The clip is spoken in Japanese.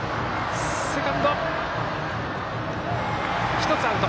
１つアウト。